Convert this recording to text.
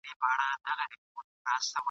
چي ماښام ته ډوډۍ رانیسي پرېمانه ..